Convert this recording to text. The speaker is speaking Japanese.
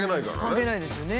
関係ないですよね。